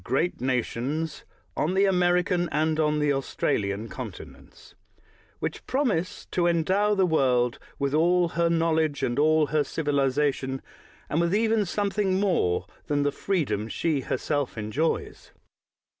of the Con 243 THE WORLD'S FAMOUS ORATIONS nations on the American and on the Australian continents, which promise to endow the world with all her knowledge and all her civilization, and with even something more than the freedom she herself enjoys.